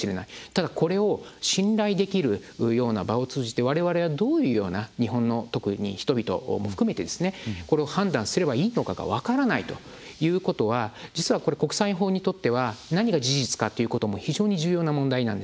ただこれを信頼できるような場を通じて我々はどういうような日本の人々を含めてですねこれを判断すればいいのかが分からないということは実は国際法にとっては何が事実かということも非常に重要な問題なんです。